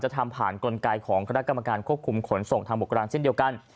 ทำผ่านกลไกของคณะกรรมการควบคุมขนส่งทางบกรางเช่นเดียวกัน